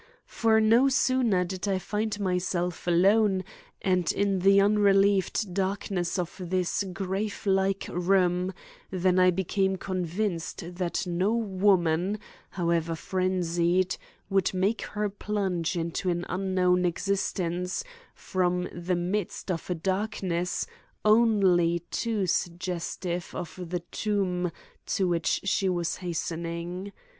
For no sooner did I find myself alone and in the unrelieved darkness of this grave like room, than I became convinced that no woman, however frenzied, would make her plunge into an unknown existence from the midst of a darkness only too suggestive of the tomb to which she was hastening.